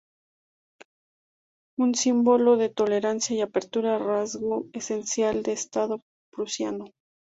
Un símbolo de tolerancia y apertura, rasgo esencial del Estado Prusiano.